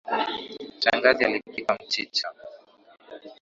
Shangazi alipika mchicha.